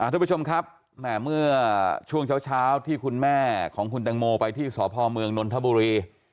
ทุกผู้ชมครับแหม่เมื่อช่วงเช้าที่คุณแม่ของคุณแตงโมไปที่สพเมืองนนทบุรี